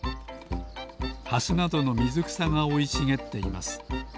ハスなどのみずくさがおいしげっています。